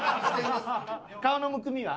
顔のむくみは？